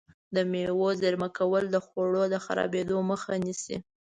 د مېوو زېرمه کول د خوړو د خرابېدو مخه نیسي.